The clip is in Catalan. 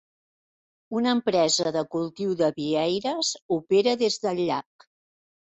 Una empresa de cultiu de vieires opera des del llac.